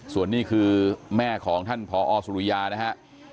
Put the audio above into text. ส่วนนี้คือแม่ของท่านพอสุริยานะฮะ